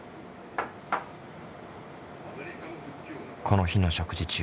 この日の食事中。